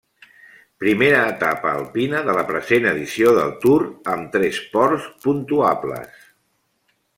Primera etapa alpina de la present edició del Tour amb tres ports puntuables.